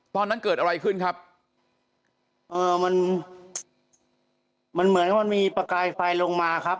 ตอนนั้นเกิดอะไรขึ้นครับเอ่อมันมันเหมือนมันมีประกายไฟลงมาครับ